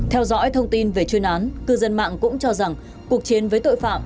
theo dõi thông tin về chuyên án cư dân mạng cũng cho rằng cuộc chiến với tội phạm